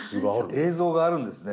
映像があるんですね。